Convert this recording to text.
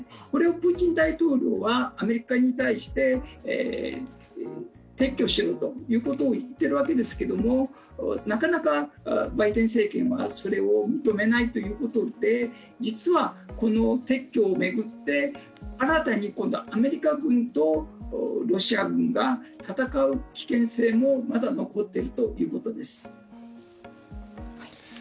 これをプーチン大統領はアメリカに対して撤去しろということを言っているわけですけど、なかなかバイデン政権がそれを認めないということで実は、この撤去を巡って新たにアメリカ軍とロシア軍が戦う危険性もまだ残っているということです。